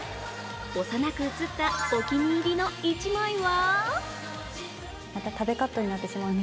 幼く写ったお気に入りの１枚は？